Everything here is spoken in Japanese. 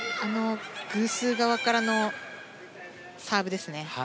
偶数側からのサーブですね。